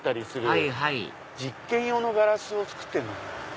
はいはい実験用のガラスを作ってるのかな？